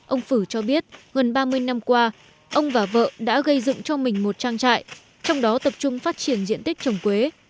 ông phử cho biết gần ba mươi năm qua ông và vợ đã gây dựng cho mình một trang trại trong đó tập trung phát triển diện tích trồng quế